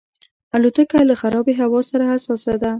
الوتکه له خرابې هوا سره حساسه ده.